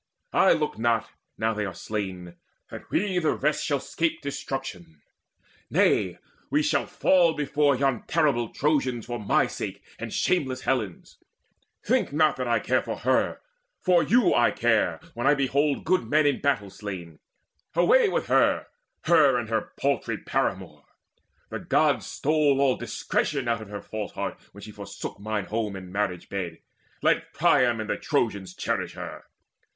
I look not, now they are slain, that we the rest Shall 'scape destruction; nay, but we shall fall Before yon terrible Trojans for my sake And shameless Helen's! Think not that I care For her: for you I care, when I behold Good men in battle slain. Away with her Her and her paltry paramour! The Gods Stole all discretion out of her false heart When she forsook mine home and marriage bed. Let Priam and the Trojans cherish her!